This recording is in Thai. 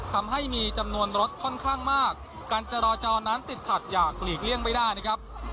ทำให้มีจำนวนรถค่อนข้างมากการจราจรนั้นติดขัดอย่างหลีกเลี่ยงไม่ได้นะครับ